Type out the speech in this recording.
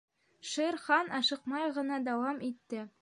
— Шер Хан ашыҡмай ғына дауам итте.